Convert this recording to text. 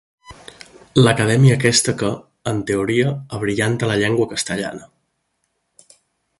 L'Acadèmia aquesta que, en teoria, abrillanta la llengua castellana.